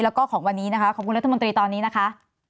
แล้วก็ของวันนี้นะคะขอบคุณรัฐมนตรีตอนนี้นะคะ